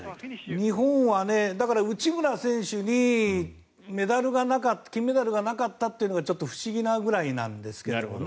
日本は内村選手に金メダルがなかったというのが不思議なぐらいなんですけどね。